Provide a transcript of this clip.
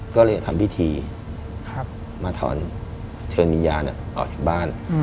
ก็เลยทำพิธีมาถอนเชิญวิญญาณออกจากบ้าน